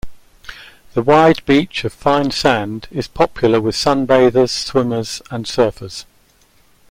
The wide beach of fine sand is popular with sunbathers, swimmers and surfers.